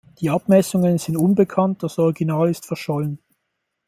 Die Abmessungen sind unbekannt, das Original ist verschollen.